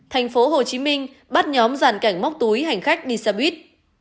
thành phố hồ chí minh bắt nhóm giàn cảnh móc túi hành khách đi xe buýt